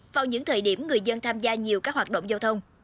vào những thời điểm người dân tham gia nhiều các hoạt động giao thông